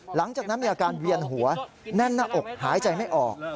หลังจากนั้นมีอาการเวียนหัวแน่นหน้าอกหายใจไม่ออก